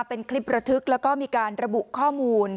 เป็นคลิประทึกแล้วก็มีการระบุข้อมูล